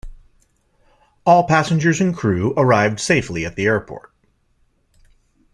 All passengers and crew arrived safely at the airport.